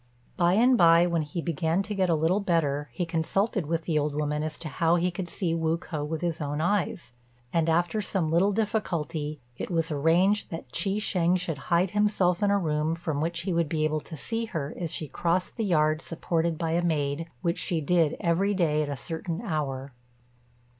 By and by, when he began to get a little better, he consulted with the old woman as to how he could see Wu k'o with his own eyes; and, after some little difficulty, it was arranged that Chi shêng should hide himself in a room from which he would be able to see her as she crossed the yard supported by a maid, which she did every day at a certain hour.